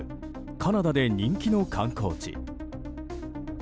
カナダで人気の観光地。